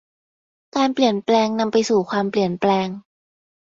การเปลี่ยนแปลงนำไปสู่ความเปลี่ยนแปลง